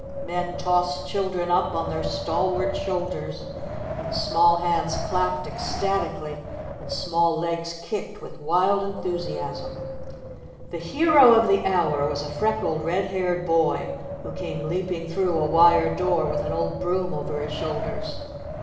Men tossed children up on their stalwart shoulders, then small hands clapped ecstatically, and small legs kicked with wild enthusiasm. The hero of the hour was a freckled, redhaired boy, who came leaping through a wire door with an old broom over his shoulders.